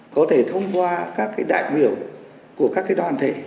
có thể thông qua các đại biểu của các đoàn thể